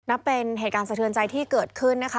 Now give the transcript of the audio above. นับเป็นเหตุการณ์สะเทือนใจที่เกิดขึ้นนะคะ